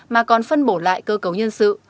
mà còn phân bổ lại cơ cấu nhân sự